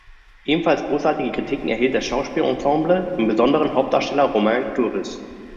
Ebenfalls großartige Kritiken erhielt das Schauspielensemble, im Besonderen Hauptdarsteller Romain Duris.